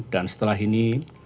dan setelah ini